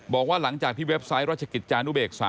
บอกว่าหลังจากที่เว็บไซต์ราชกิจจานุเบกษา